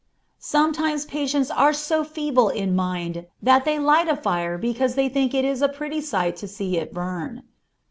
Sometimes patients are so feeble in mind that they light a fire because they think it is a pretty sight to see it burn.